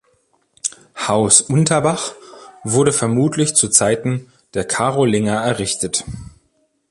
Haus Unterbach wurde vermutlich zu Zeiten der Karolinger errichtet.